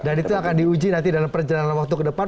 dan itu akan diuji nanti dalam perjalanan